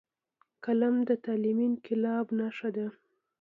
قلم د تعلیمي انقلاب نښه ده